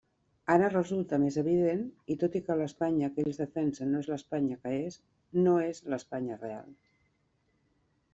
Ara resulta més evident i tot que l'Espanya que ells defensen no és l'Espanya que és, no és l'Espanya real.